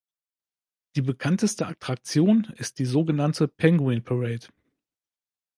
Die bekannteste Attraktion ist die sogenannte "Penguin Parade".